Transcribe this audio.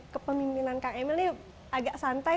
kepemimpinan kang emil ini agak santai